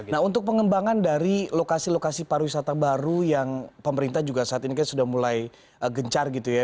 nah untuk pengembangan dari lokasi lokasi pariwisata baru yang pemerintah juga saat ini kan sudah mulai gencar gitu ya